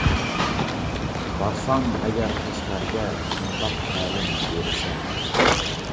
بارسام ئەگەر قەشقەرگە، شۇنداق تەلىم بىرىسەن.